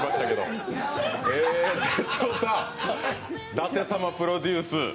舘様プロデュース